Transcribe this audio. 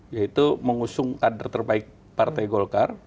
yaitu mengusung kader terbaik partai golkar